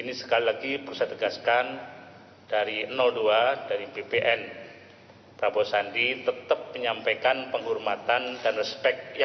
ini sekali lagi perlu saya tegaskan dari dua dari bpn prabowo sandi tetap menyampaikan penghormatan dan respek